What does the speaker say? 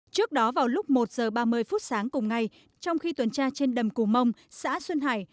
trước đó vào lúc một giờ ba mươi phút sáng cùng ngày trong khi tuần tra trên đầm cù mông xã xuân hải